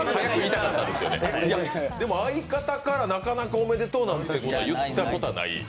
でも相方からなかなかおめでとうなんか言ったことない？